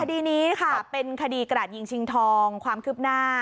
คดีนี้ค่ะเป็นคดีกระดยิงชิงทองความคืบหน้า